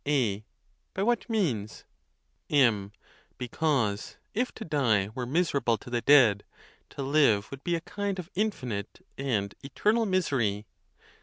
A. By what means? M. Because, if to die were miserable to the dead, to live would be a kind of infinite and eternal misery.